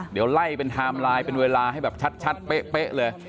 เดี๋ยวไล่เป็นเวลาให้แบบชัดแป๊วเลย